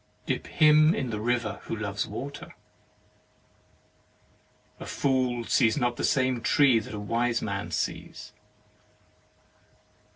Dip him in the river who loves water. A fool sees not the same tree that a wise man sees.